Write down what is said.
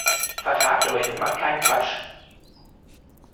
Vertragt euch und macht keinen Quatsch.